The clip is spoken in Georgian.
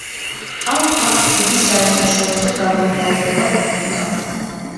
ამ ფაქტს დიდი საერთაშორისო გამოხმაურება ჰქონდა.